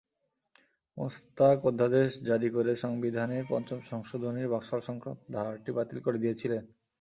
মোশতাক অধ্যাদেশ জারি করে সংবিধানের পঞ্চম সংশোধনীর বাকশাল-সংক্রান্ত ধারাটি বাতিল করে দিয়েছিলেন।